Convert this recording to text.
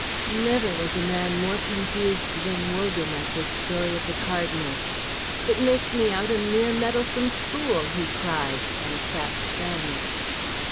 Never was a man more confused than Wogan at this story of the Cardinal's. "It makes me out a mere meddlesome fool," he cried, and sat stunned.